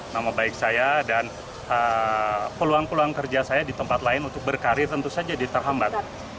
nama baik saya dan peluang peluang kerja saya di tempat lain untuk berkarir tentu saja diterhambat